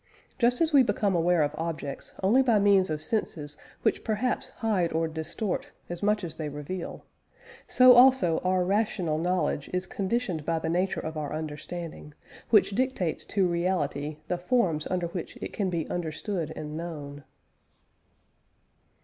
Just as we become aware of objects only by means of senses which perhaps hide or distort as much as they reveal; so also our rational knowledge is conditioned by the nature of our understanding, which dictates to reality the "forms" under which it can be understood and known.